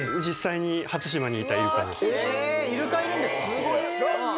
すごい。